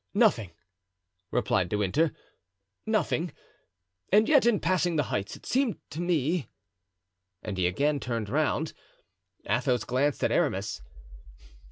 "Nothing," replied De Winter; "nothing; and yet in passing the heights it seemed to me——" and he again turned round. Athos glanced at Aramis.